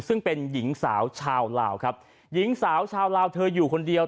ซึ่งเป็นหญิงสาวชาวลาวครับหญิงสาวชาวลาวเธออยู่คนเดียว